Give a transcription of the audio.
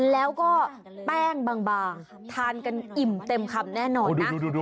แล้วก็แป้งบางทานกันอิ่มเต็มคำแน่นอนนะ